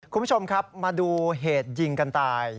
คุณผู้ชมครับมาดูเหตุยิงกันตาย